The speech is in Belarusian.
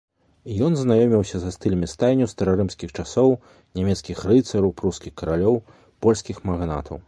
Ён знаёміўся са стылямі стайняў старарымскіх часоў, нямецкіх рыцараў, прускіх каралёў, польскіх магнатаў.